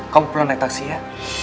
kamu pulang naik taksi ya